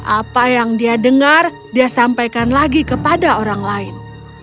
apa yang dia dengar dia sampaikan lagi kepada orang lain